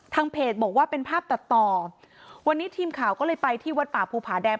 เพจบอกว่าเป็นภาพตัดต่อวันนี้ทีมข่าวก็เลยไปที่วัดป่าภูผาแดง